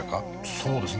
そうですね。